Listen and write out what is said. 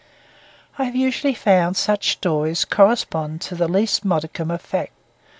I have usually found such stories correspond to the least modicum of fact.